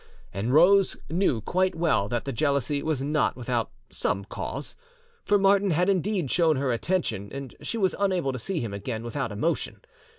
And Rose knew quite well that the jealousy was not without some cause; for Martin had indeed shown her attention, and she was unable to see him again without emotion.